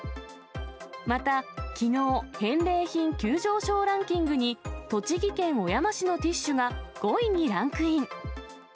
またきのう、返礼品急上昇ランキングに、栃木県小山市のティッシュが５位にランクイン。